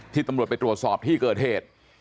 ตำรวจไปตรวจสอบที่เกิดเหตุ